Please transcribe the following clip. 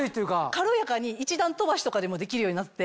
軽やかに１段飛ばしとかでもできるようになって。